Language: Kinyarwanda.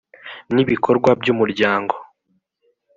n ibikorwa by umuryango